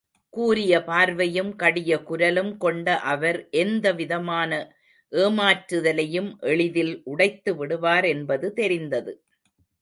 கூரிய பார்வையும் கடிய குரலும் கொண்ட அவர் எந்த விதமான ஏமாற்றுதலையும் எளிதில் உடைத்துவிடுவார் என்பது தெரிந்தது.